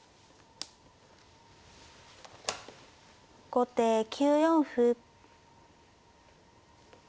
後手９四歩。